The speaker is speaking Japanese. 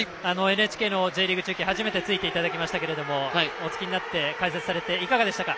ＮＨＫのＪリーグ中継に初めてついていただきましたが解説されていかがでしたか？